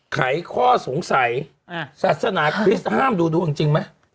ไขข้อสงสัยศาสนาคริสต์ห้ามดูดวงจริงไหม